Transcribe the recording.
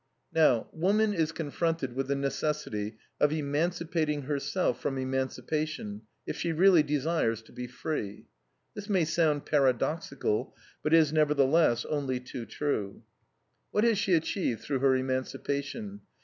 Now, woman is confronted with the necessity of emancipating herself from emancipation, if she really desires to be free. This may sound paradoxical, but is, nevertheless, only too true. What has she achieved through her emancipation?